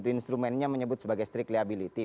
instrumennya menyebut sebagai strictly ability